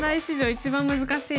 一番難しい！